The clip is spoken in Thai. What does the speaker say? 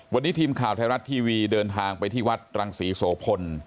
วันนี้ทีมข่าวไทยรัฐทีวีเดินทางไปที่วัดรังศรีโสพล